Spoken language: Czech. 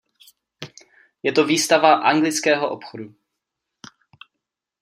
Je to výstava anglického obchodu.